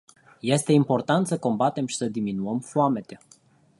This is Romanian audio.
Este important să combatem și să diminuăm foametea.